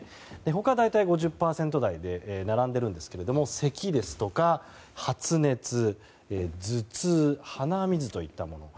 他は大体５０％台で並んでいるんですが並んでいるんですけどせきですとか発熱頭痛、鼻水といったもの。